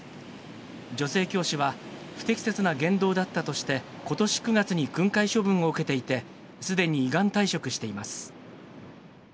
女性教師は、不適切な言動だったとして、ことし９月に訓戒処分を受けていて、すでに依願退職しています。